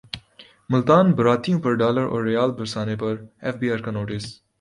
ملتان باراتیوں پرڈالراورریال برسانے پرایف بی رکانوٹس